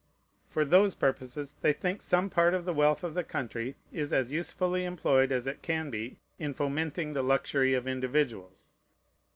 For those purposes they think some part of the wealth of the country is as usefully employed as it can be in fomenting the luxury of individuals.